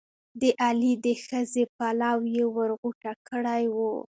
د علي د ښځې پلو یې ور غوټه کړی وو.